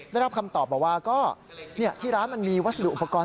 ได้รับคำตอบบอกว่าก็ที่ร้านมันมีวัสดุอุปกรณ์